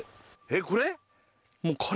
えっこれ？